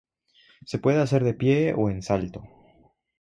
Se puede hacer de pie o en salto.